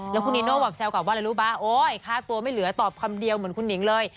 แล้วคุณนีโน่แบบแซวกลับว่าอะไรรู้ป่ะโอ๊ยค่าตัวไม่เหลือตอบคำเดียวเหมือนคุณหนิงเลย